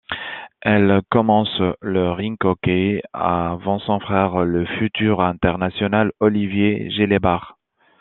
Elle commence le rink hockey avant son frère, le futur internationale, Olivier Gélébart.